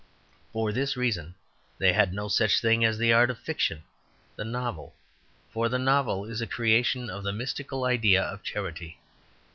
For this reason they had no such thing as the art of fiction, the novel; for the novel is a creation of the mystical idea of charity.